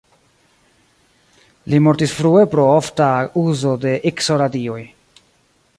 Li mortis frue pro ofta uzo de Ikso-radioj.